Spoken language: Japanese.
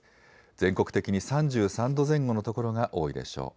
全国的に３３度前後の所が多いでしょう。